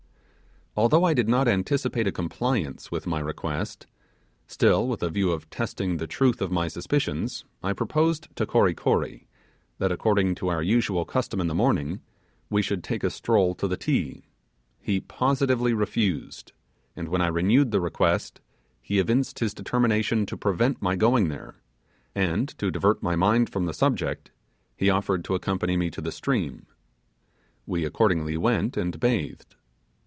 Although I did not anticipate a compliance with my request, still, with a view of testing the truth of my suspicions, I proposed to Kory Kory that, according to our usual custom in the morning, we should take a stroll to the Ti: he positively refused; and when I renewed the request, he evinced his determination to prevent my going there; and, to divert my mind from the subject, he offered to accompany me to the stream. We accordingly went, and bathed.